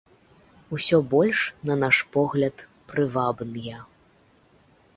Усё больш, на наш погляд, прывабныя.